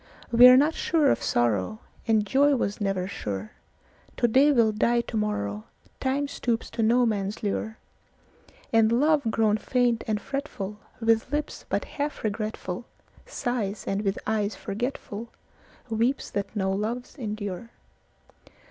We are not sure of sorrow, And joy was never sure; To day will die to morrowTime stoops to no man's lure; And love, grown faint and fretfulWith lips but half regretfulSighs, and with eyes forgetfulWeeps that no loves endure.